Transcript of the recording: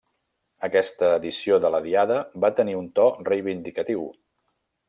Aquesta edició de la diada va tenir un to reivindicatiu.